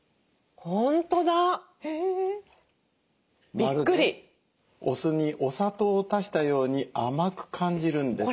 まるでお酢にお砂糖を足したように甘く感じるんです。